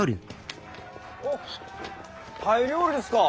おおタイ料理ですか。